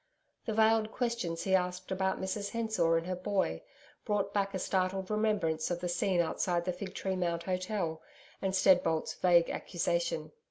The veiled questions he asked about Mrs Hensor and her boy, brought back a startled remembrance of the scene outside the Fig Tree Mount Hotel and Steadbolt's vague accusation.